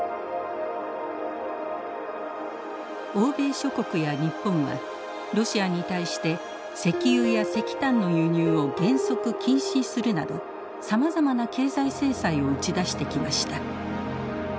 欧米諸国や日本はロシアに対して石油や石炭の輸入を原則禁止するなどさまざまな経済制裁を打ち出してきました。